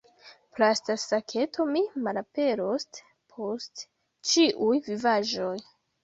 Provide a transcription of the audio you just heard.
Plasta saketo: "Mi malaperos post ĉiuj vivaĵoj!"